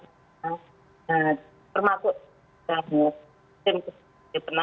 tapi perusahaan yang betul betul berdampak